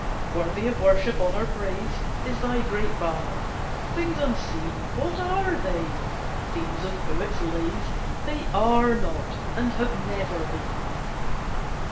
Worthy of worship, honour, praise, Is thy great father. Things unseen, What are they? Themes of poets' lays! They are not and have never been."